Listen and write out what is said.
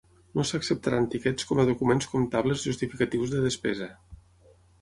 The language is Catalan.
No s'acceptaran tiquets com a documents comptables justificatius de despesa.